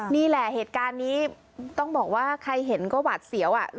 นี่แหละเหตุการณ์นี้ต้องบอกว่าใครเห็นก็หวัดเสียว